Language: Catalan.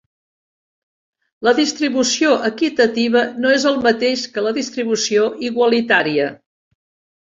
La distribució equitativa no és el mateix que la distribució igualitària.